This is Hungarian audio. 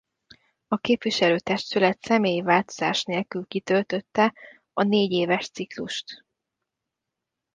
A képviselő-testület személyi változás nélkül kitöltötte a négyéves ciklust.